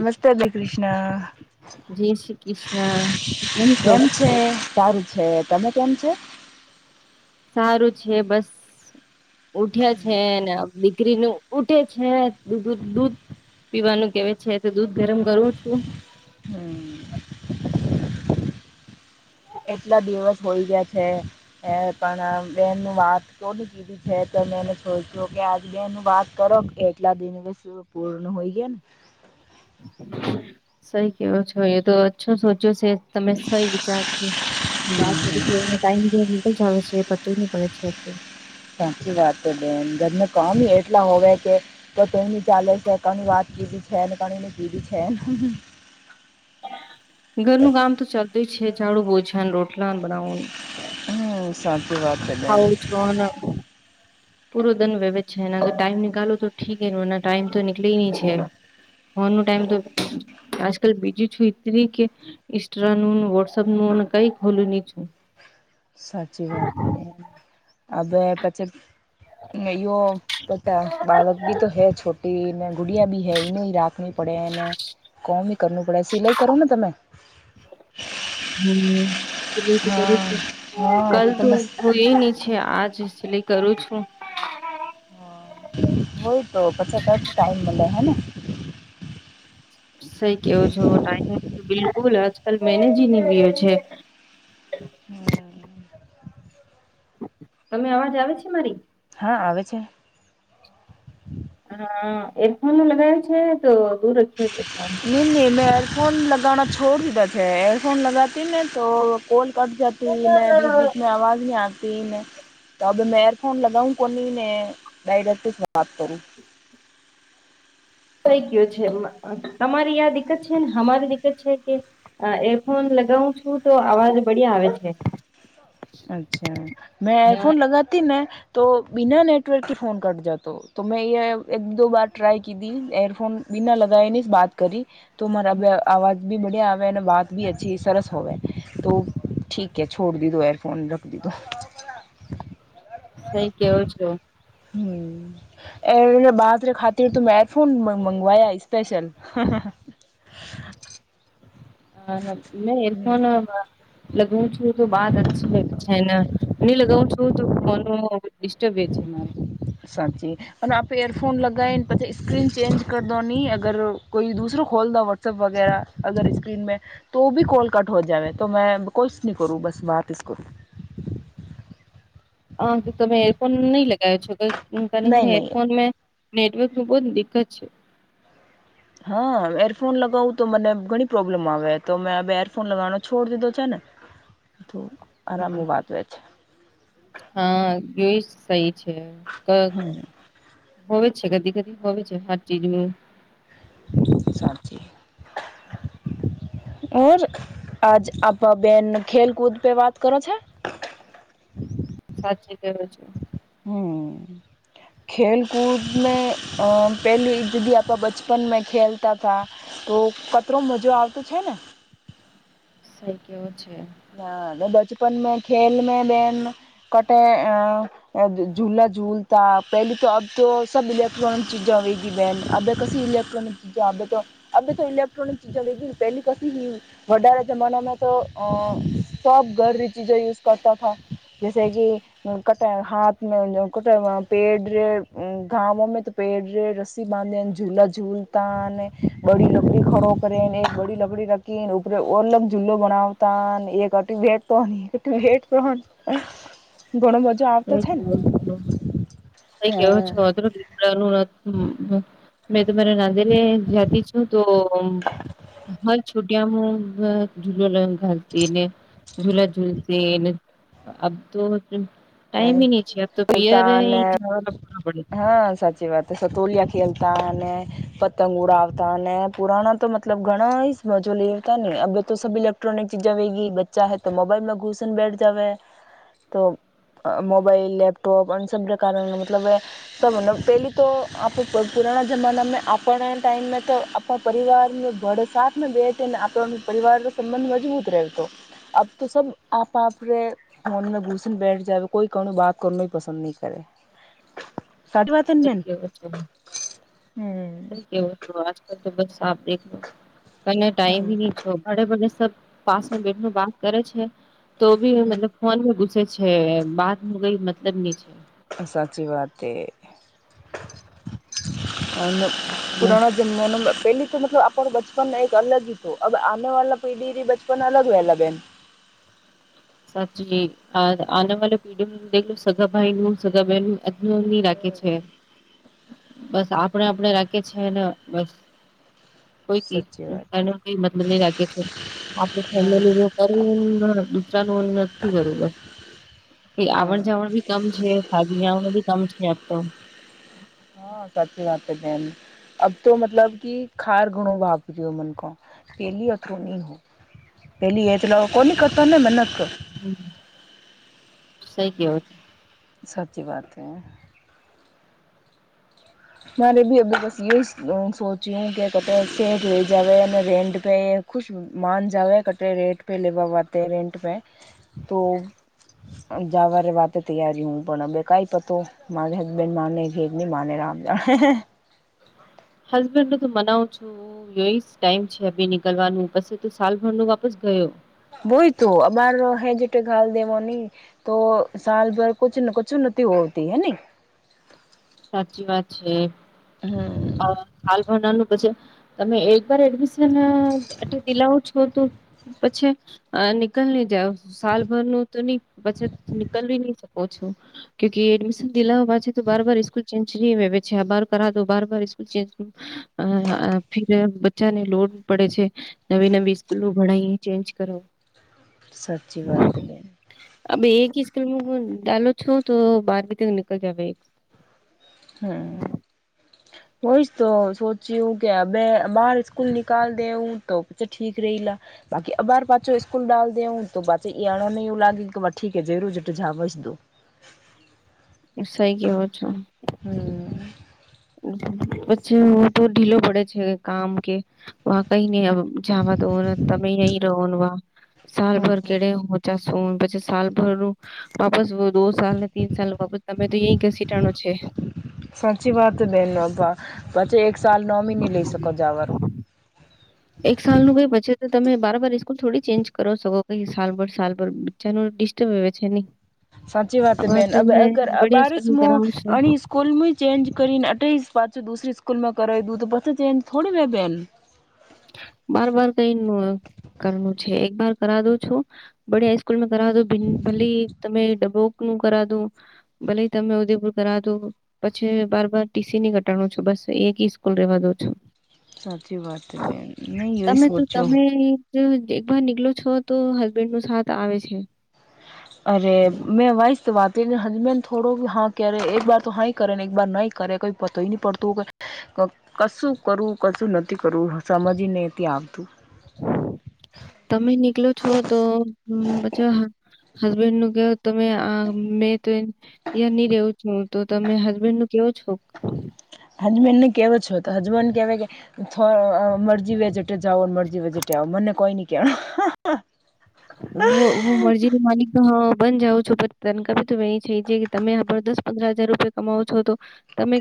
નમસ્તે [unintelligible] કૃષ્ણ જય શ્રી કૃષ્ણ કેમ છો? છે સારું છે, તમે કેમ છે? સારું છે બસ ઉઠ્યા છે ને ીકરીનું ઉટે છે દૂધ પીવાનું કેવા છે તો દૂધ ગરમ કરવું છું હમ [unintelligible] એટલા દિવસ હોઈ ગયા છે પણ બેનનું વાત કોની કીધી છે તમેને સોચ્યો કે આજ મે એનું વાત કરો એટલા દિન બ પૂર્ણ હોય ગ ને સહી કેવા છો એ તો અચ્છો સોચો છે તમે સહી વિચારજો હમ. ટાઈમ જે ની જ આવે છે પત ન પડે છે એટું સાચી વાત તો બેન ઘર ન કામ એક એટલા હોવે કે તો કઈની ચાલે છે કની વાત કીધી છે કણીની કીધી છે હ ઘરનું કામ તો ચાલતું છે ઝાડુ ભોજન રોટલા બનાવનું હમ સાચી વાત છે બેન. હવ જોોન પૂરો દંન વ્યવે છે ટાઈમ નીિકાલો તો ઠીક એ ટાઈમ તો નીકળી ન છે [unintelligible] ટાઈમ તો આજકાલ બીજું છું કે ઇન્સ્ટ્ર ન વોટ્સઅપ નું કઈક ખોલું નહી છું સાચી વાત ને હવે પછી યો પતા બાળક ભી તો હૈ છોટીને ગુડિયા ભી હૈ ને રાખ વી પડે એને કોમ બ કરવું પડે સિલાઈ કરો ને તમે હમ બું કરું હા છું હા કલ તો તમે તું હું એ છે આજ [unintelligible] કરું છું હ હોય તો પાછા ટ ટાઈમ મલે હેને સઈ કેવો છો ટાઈમ નો બિલકુલ આજકાલ મેનેજીનો રહ્યો છે. તમે અવાજ આવે છે મારી હા આવે છે. અહહ હા એરફોનો લગાવ છે તો દૂર રાખ્યો છે ફોન ફોન લગાવના છોડ દીધા છે એરફોન લગાતી ને તો કોલ કટ જતી ને બીચ બીચ મે આવાજ નહી આતી ને તબ મેં એરફોન લગાવું કોની ને ડાયરેક્ટ જ વાત કરું [inaudible] કઈ કયો છે તમારી આ દિકકત છે ને અમારી દિકકત છે કે અહહ એરફોન લગ કું છું તો અવાજ બડિયા આવે છે. અચ્છા મેં ના એરફોન લગાતી ને તો બિના નેટવર્ક કે ફોન કટ જાતો તો મેં એ એક દ બાર ટ્રાય કી તી એયરફોન બીના લગાવીને જ વાત કરી તો મારા અવાજ બી બડ્યા આવે અને વાત બી અછી સરસ હોવે તો ઠીકે છોડ દી દો એરફોન રખ દીધો સઈ કેવો છો હમ એ બાતરે ખાતે તો મેં એરફોન મંગવાયા સ્પેશલ [inaudible] હ ને મેં એરફોન અમમ લગાવું છું તો બાત અચછી લે છે એને નહી લગાવું છું તો મનો ડિસ્ટર્બ છે મારે સાચી અને આપે એયરફોન લગને પછી સ્ક્રીન ચેન્જ કર દો ની અગર કોઈ દુસરો કોલ વોટ્સઅપ વગેરા અગર સ્ક્રીન મે તો બી કોલ કટ હો જવે તો મેં કોલ્શ ન કરું બસ [unintelligible] [inaudible] હ તમે એરફોન નહી લગાવો છો નહીં [unintelligible] નહીં એરફોન મેં નેટવર્ક નું બહુ દિકકત છે. હા એરફોન લગાવું તો મને ઘણી પ્રોબ્લેમ આવે તો મેં એરફોન લગાવવાનો છોડ દીધો છે ને [inaudible] તો આરામની વાત હોય છે હા જોઈશ સહી છે ક હમ હો છે કદી કદી હો છે હર ચીજમેં સારચી [inaudible] આજ આપ બેન ખેલ કૂદ પે વાત કરો છે. [inaudible] સાચી કેવુ છું. હમ. ખેલ કૂદ મે અ પહેલી જદી આપણા બચપન મે ખેલતા થા તો કતરો મજો આવતો છે ને સાઈ કેયો છે હ બચપન મે ખેલ મે બેન કટે અ અલા ઝૂલતા પહેલી તો અબ તો સબ ઇલેક્ટ્રોનિક ચીજા વથી બહેન અભ કસી ઇલેક્ટ્રોનિક ચીજા અબ અબ તો ઇલેક્ટ્રોનિક પેલી ક વધારે જમાનામાં અ સબ ગરરી ચીજો યુઝ કરતા થ જૈસે કેટ હાથ પેડ ગામમાં તો પેડ રસી બાંધ ઝૂલા ઝૂલ ત બડી લકડી ખડો કરીને એક બડી લકડી રાખીને ઉપર ઓલગ જુલ્લો બણાવતા તા પર એક ભેટ તો એક ભેટ પ્ર ગણ બધ ક કેવો ક કેવ છ અધરું લીડાનું હ મેં તમારા નાંદેલી જાતી છું તો હ છ મ ઝુલો ઘાલતી ને ઝુલા ઝુલતી અબ તો હ ટાઈમ હી નહીં છે અબ તો પિયર ખેલતા જવા લગવાના પડે છે. હા સાચી વાત સતોલિયા ખેલતા પતંગ ઉડાવતા ને પુરાણા તો મતલબ ઘણા મજો લેતા ને અ તો ઇલેક્ટ્રોનિક ચીજ વેગી બચ્ચા હૈ તો મોબાઈલમાં ઘુસન બેઠ જવે તો મોબાઈલ લેપટોપ અ સબ કારણ મતલબ પહેલી તો આપ પુરાણા જમાનામાં આપણા ટાઈમ તો આપણા પરિવારનો ઘર સાથ મે બેઠ ને આપણ પરિવાર સંબંધ મજબૂત રહે તો અબ તો સબ આપ આપરે ફોન મે ઘુસન બેઠ જાવે કોઈ ક બાત કર પસંદ નહી કરે સાચી વાત ને થ બેન થવ હમ આજકાલ તો બસ હમ [unintelligible] પાસમાં બેઠ બાત કરે છે તો બી મતલબ ફોન ઘુસે છે છે બાર નું કઈ મતલબ ની છે સાચી વાત તે અને પુરાણા જમાનાના પેલી તો મતલબ આપણ બચપન એક અલગી આમે વાળલા પેઢીથી બચપન અલગ વેલા બેન [inaudible] સાચી આ આના વાળા પીઢઓ દેલો સગાભાઈનું સગાભાઈનું અજની રાખે છે બસ આપડે આપડે રાખી છે ને બસ કોઈ ક સાચી વાત એનો કઈ મતલબ નહી રાખે છે આપડ હા ફેમિલી કર દુતરાનું નથી કરવું બસ ક હા આવણ જાવણ ભી કમ છે ખાદીવ ન ભી કમ છે આપતો હા સાચી વાત બેન અબ તો મતલબ કે ખાર ઘણો ભપરી હો મન કો પહેલી થોની હો પહેલીલો કોની કરતાને મહેનત કર હ સઈ કેવો છે સાચી વાત હ મારે બી બસ એ સોચ્યું કે કે જોઈ જાવ અને રેન્ટ પે ખુશ માન જાવ કટે રેટ પે લેવાવાતે રેન્ટ પે તો જવા વાતે તૈયારી હું પણ હ કઈ પતો મારી હસબેન્ડ માને ભેગ ન માને રામ હે હે ભર ન તો મનાવ છું ટાઈમ છેી નીકળવાનું પછ તો સાલભર ન વાપસ ગયો બોય તો અમાાર હે જેટ ઘાલ દેવા નની તો સાલભર કછને કછુંને હોતી હે સાચી વાત છે હમ હાલ ભરનાનું પછ તમે એક વાર એડમિશનલાવો છો તો પછી નીકળ નહી જાવ સાલભર નું તો નહ બચત નીકળવી નહી શકો છો કુ એડમિશન દિલા પાછી તો બાર બાર ચન્ચરી બે છે બાર કરા દો બાર બાર સ્કૂલ ફર બચ્ચાને લોડ પડે છે નવી નવી સ્કૂલો ભણાવ ચેન્જ કરો સાચી વાતત બે અ એક સ્કૂલ્મ ડાલો છો તો બાર ક ત નિકલ જાવે હમ હોઈશ તો સોચી હું કે બે બહાર સ્કૂલ નિકાલ દે હું તો બચ્છા ઠીક રહી બાકી અબાર પાછો સ્કૂલ ડાલ દેઉું તો પાછે અણાયું લાગે કેઠીકે જયરૂ જાડેજા સમજ દો સ કેવો છો હમ પ્છી હું તો ઢીલો પડે છે કામ કે વા કઈ નઈ જવા દોને તમે અહી રહો વા સાલભર કેડે હો ચશો પછી સભરનું વાપસ દો સાલ ને તીન સાલ બાબત તમે તો અહી, ઘસી ટાણો છે. બે પછી એક સાલ નોમિની લઈ શકો જા વારુ એક સાલ નું કઈ પછે તમે બારબર સ્કૂલ થોડી ચેન્જ કરો શકો કે સાલભર સાલ ભર બચ્ચાનું ડિસ્ટર્બ વેવૅ છે નહી સાચી વાત બેન અ તમને અગર બડિયા સ્કૂલ અબારીસમુ કરાવું છું અણી સ્કૂલમુ ચેન્જ કરીને અઠેસ પાછું દુસરી સ્કૂલમાં કરાવી દું તો પછી ચેન્જ થોડી વૅ બેન બાર બાર કઈ કરનું છે એક બાર કરા દુ છું બડીયા સ્કૂલ મે તો ભલી તમે ડબો હૂ કરા દૂ ભલે તમે ઉદેપુર કરાદૂ પછી બાર બાર ટીસી ની કટાણો છુ બસ એક સ્કૂલ રવા દો છો સાચી વાત હે બેન મે હી યોઇચ તમે તો હૉચ્ચો તમે જો એક બર નીકળ છો તો હસબેન્ડ નો સાથ આવે છે અરે મેંવાઇસ વાતઝ હજબેન્ડ થોડો હા કેરે એક બાર તો હા કરે ને એક બાર નહીં કરે કઈ પતો નહી પડતો કશું કરું કશું નથી કરું સમજી નથી આવતું તમે નીકળો છો તો હમ પછી હસબેન્ડ નું કેવું તમે આ મેં તો ય નહી રવું તો તમે હસબેન્ડ કેવો છો હજબેન્ડ કેવો છો તો અજબેન્ડ કેવે કે મરજી વજેટે જાઓ મરજી વેજેટે આવો મને કોઈ નઈ કેણે હ હું મરજી માલિક હા બન જાઉં છું પ તન એ છે જે કે તમે જબરદસ્ત પદર હજાર રૂપિયા કમાવો છો, તો તમે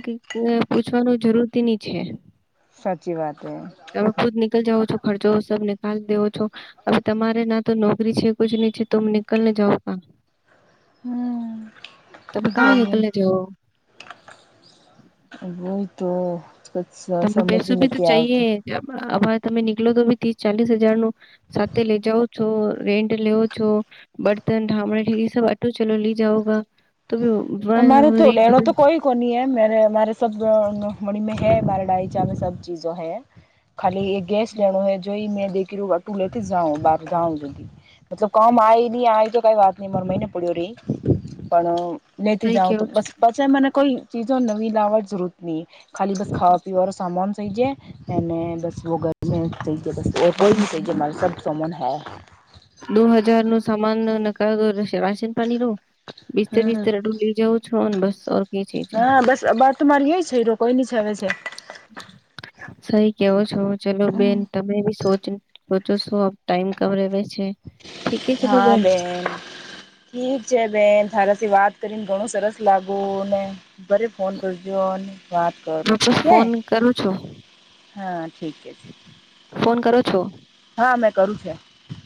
પૂછવાનું જરૂરથીની છે સાચી વાત હે તમે ખુદ નીકળ જાાવ છો, ખર્ચો સબ નીળ માલ દેવો છો, હવે તમારે ના તો નોકરી છે. કુછ નહી, છે. તુમ નીકળન જાાવો કહા હમ તમે કહા, નનીકલે જો બય તો કછ તમે, સમજ ઈ બેસી ભી તો નથી આવતું. ચઈએ આભાર, તમે નીકળ તો બી ત્રીસ ચાલીસ હજાર નુ સાથે લઇ જાઓ, છો રેન્ટ લેવ છો બર્તન ઢામણે ઠીક, એ સબ આટો ચલો લી જઓગ અમારે, તો લેણુ તો કોઈ કોની એ મારે સબ મણી મે, હૈ મારાડાઈ ચામે સબ ચીજો, હ ખાલી એ ગેસ લેણુ હ, જોઈ મેં યુ કેરી ટુલે અથી, જ જાઓ અબાર જાઓ જદી મતલબ કામ આ નહી, આ તો કઈ વાત નઈ માર મહિને પડ્યો રહી, પણ લેતી, સહી જાઉ તો કેવો છો બસ પછી મને કોઈ, ચીજો નવી લાવવાની જરૂર નહી, ખાલી બસ ખાવા પીવાનો સામાન સઇજે થઈ જાય અને બસ વગરમે થઈ જતા બસ્ત ઓર કોઈની સઇજે મારે સબ સોમન હે દો હજારનું સમાન નકારો રહેશે અનીરો બીસ્તર હમ્મ બીસ્તેર અઢોલી જવ છોને બસ કઈ ચીજ હે હા બસ અબાર તો મારી એઈસ છે, રો કોઈની છાવે છે. સહી કેવો છો ચલો બેન તમે બી સોચ સોચો છો ટાઈમ કવરેવે છે. ઠીકે ચલો હા બેન ઠીક છે બેન તારીથી વાત કરીને ઘણું સરસ લાગો ને ઘરે ફોન કરજો અને અને વાત કરો વાપસ ઠીક હે ફોન કરો છો હા ઠીક છે. ફોન કરો છો? હા મેં કરું છે.